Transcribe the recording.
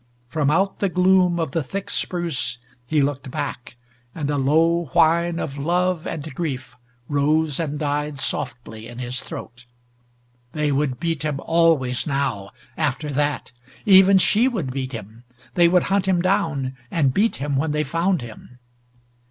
From out the gloom of the thick spruce he looked back, and a low whine of love and grief rose and died softly in his throat. They would beat him always now after that. Even she would beat him. They would hunt him down, and beat him when they found him.